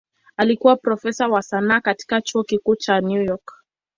Alikuwa profesa wa sanaa katika Chuo Kikuu cha New York.